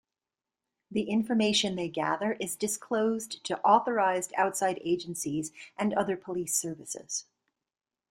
The information they gather is disclosed to authorised outside agencies and other police services.